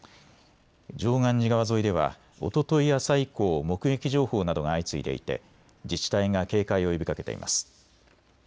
常願寺川沿いではおととい朝以降、目撃情報などが相次いでいて自治体が警戒を呼びかけています。